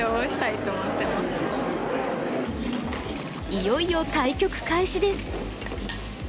いよいよ対局開始です。